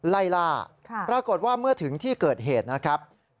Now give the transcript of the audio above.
ไล่ล่าปรากฏว่าเมื่อถึงที่เกิดเหตุนะครับ